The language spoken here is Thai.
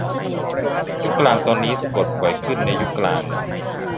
ยุคกลางตอนนี้สะกดบ่อยขึ้นในยุคกลาง